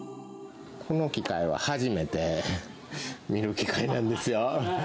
この機械は初めて見る機械なんですよ。